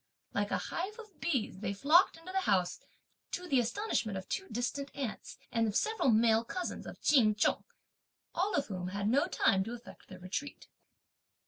Like a hive of bees they flocked into the house, to the astonishment of two distant aunts, and of several male cousins of Ch'in Chung, all of whom had no time to effect their retreat.